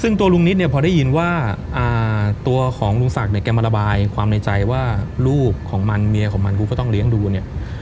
ซึ่งตัวลุงนิดเนี่ยพอได้ยินว่าตัวของลุงศักดิ์เนี่ยแกมาระบายความในใจว่าลูกของมันเมียของมันกูก็ต้องเลี้ยงดูเนี่ย